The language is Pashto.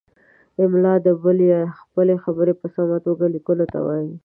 املاء د بل یا خپلې خبرې په سمه توګه لیکلو ته وايي.